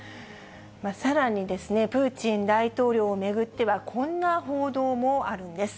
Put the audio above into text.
さらにですね、プーチン大統領を巡ってはこんな報道もあるんです。